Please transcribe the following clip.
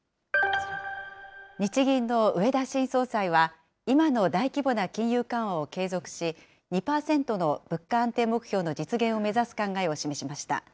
日銀の植田新総裁は、今の大規模な金融緩和を継続し、２％の物価安定目標の実現を目指す考えを示しました。